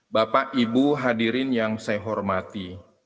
bapak ibu hadirin yang saya hormati